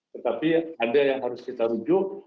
tetapi ada yang harus kita rujuk